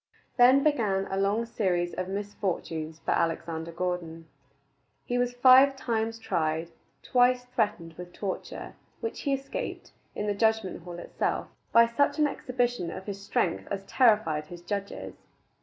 Then began a long series of misfortunes for Alexander Gordon. He was five times tried, twice threatened with torture which he escaped, in the judgment hall itself, by such an exhibition of his great strength as terrified his judges.